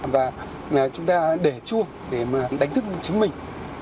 và chúng ta để chua để mà đánh thức chính mình